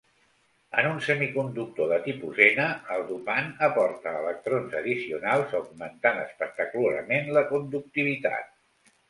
En un semiconductor de tipus n, el dopant aporta electrons addicionals, augmentant espectacularment la conductivitat.